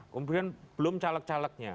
kemudian belum caleg calegnya